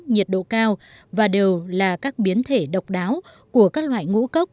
nhiệt độ cao và đều là các biến thể độc đáo của các loại ngũ cốc